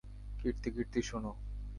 কীর্তি - কীর্তি, শোন।